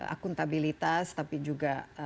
akuntabilitas tapi juga